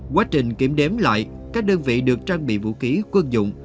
quá trình kiểm đếm lại các đơn vị được trang bị vũ khí quân dụng